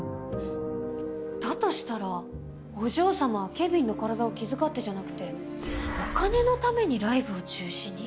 だとしたらお嬢様はケビンの体を気遣ってじゃなくてお金のためにライブを中止に？